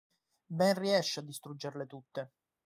Ben riesce a distruggerle tutte.